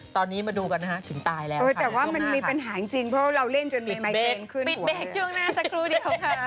ตอนนี้มาดูกันถึงตายแต่ว่ามันดูขอว่ามันไม่ได้